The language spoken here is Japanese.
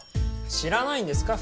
知らないんですか？